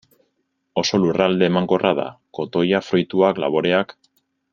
Oso lurralde emankorra da: kotoia, fruituak, laboreak.